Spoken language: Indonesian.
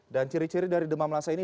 dan ciri ciri dari demam lhasa ini